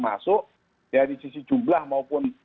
masuk ya di sisi jumlah maupun